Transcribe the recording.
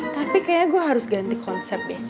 tapi kayaknya gue harus ganti konsep deh